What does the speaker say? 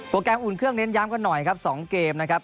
แกรมอุ่นเครื่องเน้นย้ำกันหน่อยครับ๒เกมนะครับ